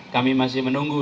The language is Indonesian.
kami masih menunggu